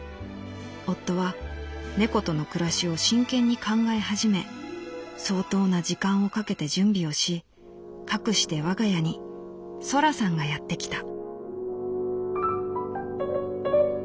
夫は猫との暮らしを真剣に考え始め相当な時間をかけて準備をしかくして我が家にそらさんがやってきた」。